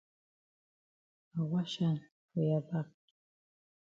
I wash hand for ya back.